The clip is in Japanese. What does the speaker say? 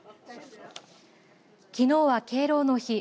きのうは、敬老の日。